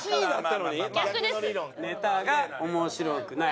「ネタが面白くない」